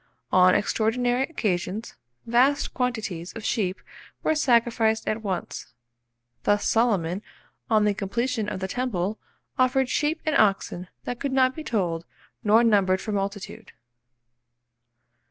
On extraordinary occasions, vast quantities of sheep were sacrificed at once; thus Solomon, on the completion of the temple, offered "sheep and oxen that could not be told nor numbered for multitude."